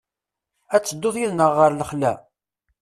Ad tedduḍ yid-neɣ ɣer lexla?